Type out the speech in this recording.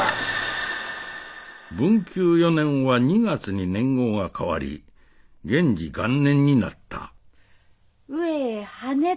文久４年は２月に年号が変わり元治元年になった上へはねて。